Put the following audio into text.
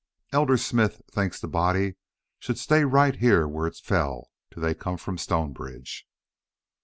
"Elder Smith thinks the body should stay right here where it fell till they come from Stonebridge."